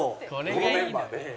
このメンバーで？